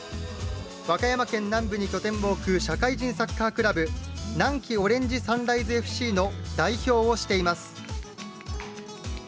和歌山県南部に拠点を置く社会人サッカークラブ、南紀オレンジサンライズＦＣの代表をしています。